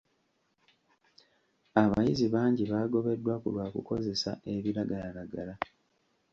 Abayizi bangi baagobeddwa ku lwa kukozesa ebiragalalagala.